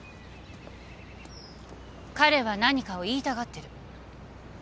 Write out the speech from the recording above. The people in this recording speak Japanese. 彼は何かを言いたがってる。